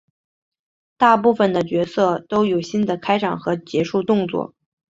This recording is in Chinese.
大部分的角色都有新的开场和结束动作。